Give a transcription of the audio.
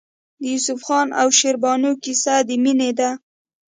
د یوسف خان او شیربانو کیسه د مینې ده.